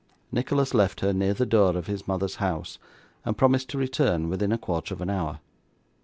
Nicholas left her near the door of his mother's house, and promised to return within a quarter of an hour.